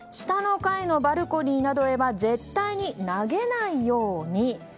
下の階のバルコニーなどへは絶対に投げないように。